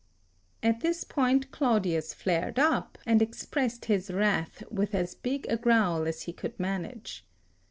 At this point Claudius flared up, and expressed his wrath with as big a growl as he could manage.